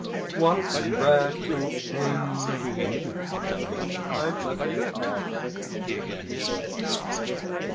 One prayer to Him, and I must be off.